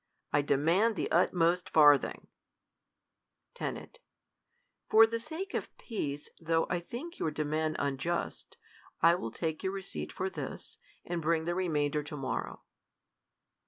I demand the utmost farthing* Ten, For the sake of peace, though I think your de mand unjust, I will take your receipt for this, and bring the remainder to morrow.